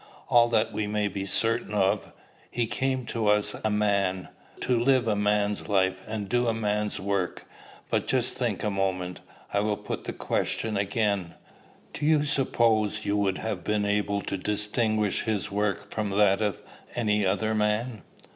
"All that we may be certain of. He came to us a man, to live a man's life, and do a man's work. But just think a moment. I will put the question again: Do you suppose you would have been able to distinguish his work from that of any other man?"